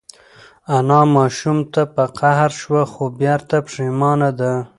انا ماشوم ته په قهر شوه خو بېرته پښېمانه ده.